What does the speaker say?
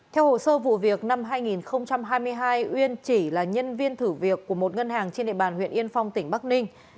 theo hồ sơ vụ việc năm hai nghìn hai mươi hai uyên chỉ là nhân viên thử việc của một ngân hàng trên địa bàn huyện yên phong tỉnh bắc ninh